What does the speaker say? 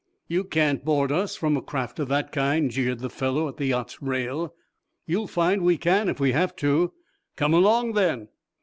"You can't board us, from a craft of that kind," jeered the fellow at the yacht's rail. "You'll find we can, if we have to." "Come along, then!"